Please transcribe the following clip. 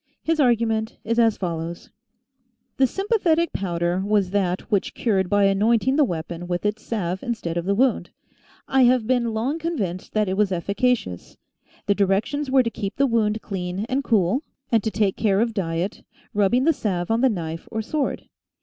His argument is as follows :" The 1 Canto III. Stanza 23. THE POWDER OF SYMPATHY 113 sympathetic powder was that which cured by anointing the weapon with its salve instead of the wound. I have been long convinced that it was efficacious. The directions were to keep the wound clean and cool, and to take care of diet, rubbing the salve on the knife or sword.